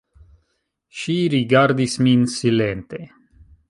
Ŝi rigardadis min silente.